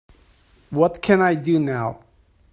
what can I do now?